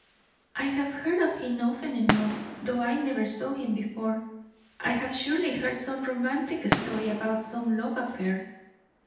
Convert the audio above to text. I have heard of him often enough, though I never saw him before. I have surely heard some romantic story about some love affair."